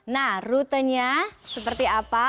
nah rutenya seperti apa